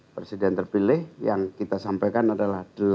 presiden terpilih yang kita sampaikan adalah